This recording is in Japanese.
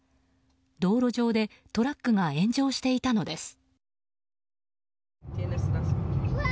道路上でトラックが炎上していたのです。